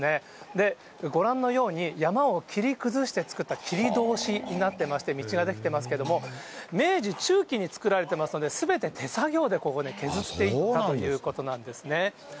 で、ご覧のように、山を切り崩して作った切通しになってまして、道が出来てますけれども、明治中期に作られてますので、すべて手作業でここ削っていったということなんですね。